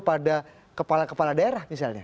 pada kepala kepala daerah misalnya